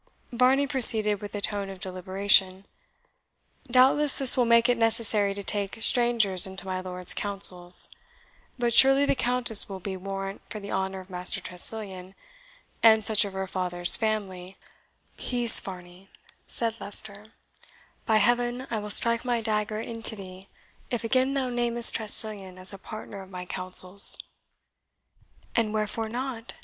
Varney proceeded with a tone of deliberation. "Doubtless this will make it necessary to take strangers into my lord's counsels; but surely the Countess will be warrant for the honour of Master Tressilian, and such of her father's family " "Peace, Varney," said Leicester; "by Heaven I will strike my dagger into thee if again thou namest Tressilian as a partner of my counsels!" "And wherefore not!"